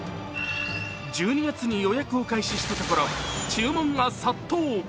１２月に予約を開始したところ、注文が殺到。